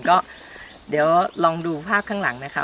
ก็เดี๋ยวลองดูภาพข้างหลังนะคะ